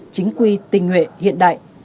chính quy tình nguyện hiện đại